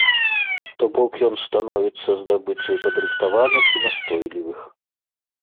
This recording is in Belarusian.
То бок ён становіцца здабычай падрыхтаваных і настойлівых.